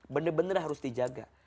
bener bener harus dijaga